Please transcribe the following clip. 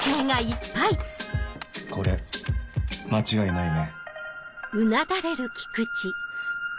これ間違いないね？